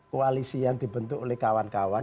koalisi yang dibentuk oleh kawan kawan